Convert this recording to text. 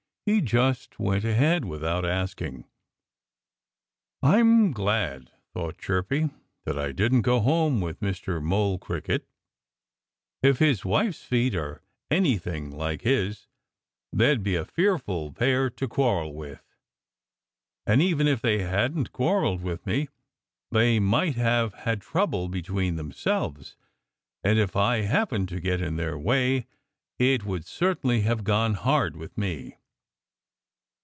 He just went ahead without asking. "I'm glad," thought Chirpy, "that I didn't go home with Mr. Mole Cricket. If his wife's feet are anything like his they'd be a fearful pair to quarrel with. And even if they hadn't quarrelled with me, they might have had trouble between themselves. And if I happened to get in their way it would certainly have gone hard with me."